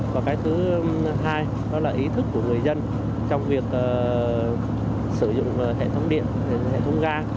và cái thứ hai đó là ý thức của người dân trong việc sử dụng hệ thống điện hệ thống ga